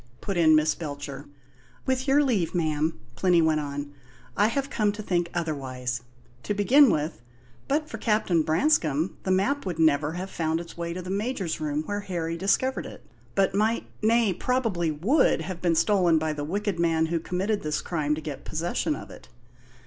put in Miss Belcher. "With your leave, ma'am," Plinny went on, "I have come to think otherwise. To begin with, but for Captain Branscome the map would never have found its way to the Major's room, where Harry discovered it; but might nay, probably would have been stolen by the wicked man who committed this crime to get possession of it.